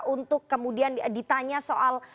untuk kemudian ditanya soal